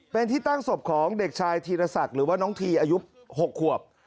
เป็นที่ตั้งศพของเด็กชายธีรศักดิ์หรือว่าน้องทีอายุ๖ขวบ